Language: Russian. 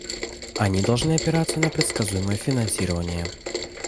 Они должны опираться на предсказуемое финансирование.